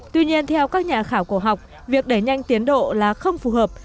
tuy nhiên theo các nhà khảo cổ học việc đẩy nhanh tiến độ là không phù hợp